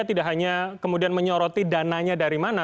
tidak hanya kemudian menyoroti dananya dari mana